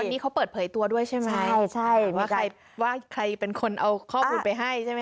วันนี้เขาเปิดเผยตัวด้วยใช่ไหมว่าใครเป็นคนเอาข้อมูลไปให้ใช่ไหมคะ